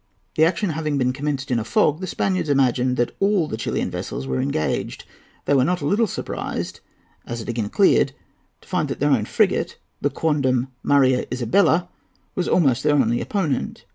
"The action having been commenced in a fog, the Spaniards imagined that all the Chilian vessels were engaged. They were not a little surprised, as it again cleared, to find that their own frigate, the quondam Maria Isabella, was almost their only opponent.